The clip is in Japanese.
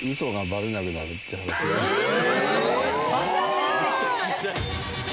え